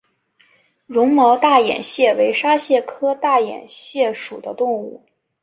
绒毛大眼蟹为沙蟹科大眼蟹属的动物。